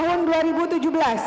di dki jakarta